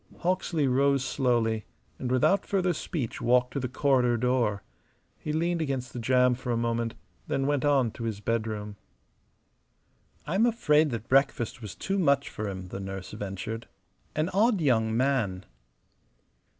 Hawksley rose slowly and without further speech walked to the corridor door. He leaned against the jamb for a moment, then went on to his bedroom. "I'm afraid that breakfast was too much for him," the nurse ventured. "An odd young man."